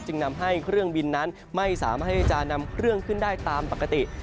นำให้เครื่องบินนั้นไม่สามารถที่จะนำเครื่องขึ้นได้ตามปกติ